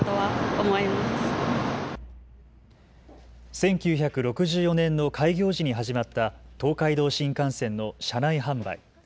１９６４年の開業時に始まった東海道新幹線の車内販売。